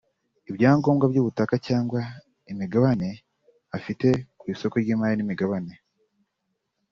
ibyangombwa by’ubutaka cyangwa imigabane afite ku isoko ry’imari n’imigabane